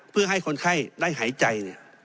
เพื่อให้คนไข้ได้หายใจ